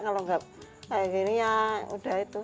kalau nggak kayak gini ya udah itu